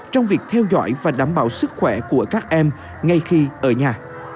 trong việc theo dõi và đảm bảo sức khỏe của các em ngay khi ở nhà